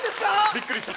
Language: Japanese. びっくりした？